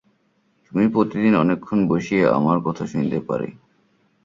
তুমি প্রতিদিন অনেকক্ষণ বসিয়া আমার কথা শুনিতে পার।